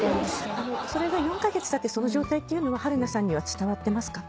それが４カ月たってその状態っていうのは春菜さんには伝わってますか？